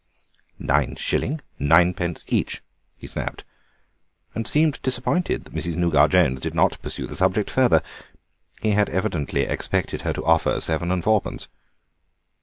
"Nine schilling nine pence each," he snapped, and seemed disappointed that Mrs. Nougat Jones did not pursue the subject further. He had evidently expected her to offer seven and fourpence.